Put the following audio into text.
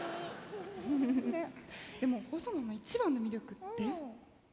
でもホソノの一番の魅力って？